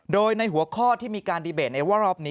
โดยในหัวข้อที่มีการดีเบตในว่ารอบนี้